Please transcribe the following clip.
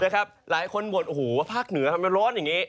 หลายคนบ่นโอ้โหภาคเหนือทำไมร้อนอย่างนี้